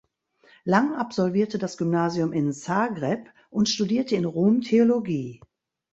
Lang absolvierte das Gymnasium in Zagreb und studierte in Rom Theologie.